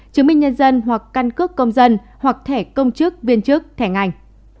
chứng minh nhân dân hoặc căn cước công dân hoặc thẻ công chức viên chức thẻ ngành